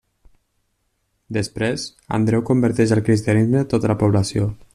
Després, Andreu converteix al cristianisme tota la població.